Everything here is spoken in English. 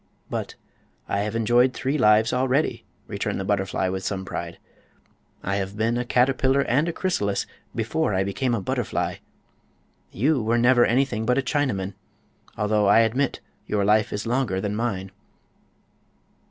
"But I have enjoyed three lives already," returned the butterfly, with some pride. "I have been a caterpillar and a chrysalis before I became a butterfly. You were never anything but a Chinaman, although I admit your life is longer than mine."